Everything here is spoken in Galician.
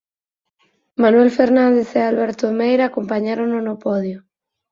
Manuel Fernández e Alberto Meira acompañárono no podio.